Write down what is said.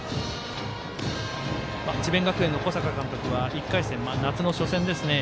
智弁学園の小坂監督は１回戦、夏の初戦ですね。